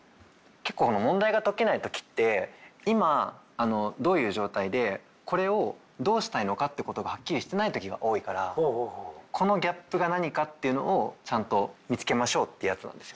結構問題が解けない時って今どういう状態でこれをどうしたいのかっていうことがはっきりしていない時が多いからこのギャップが何かっていうのをちゃんと見つけましょうってやつなんですよね。